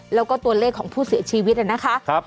แล้วก็ตัวเลขของผู้เสียชีวิตนะคะ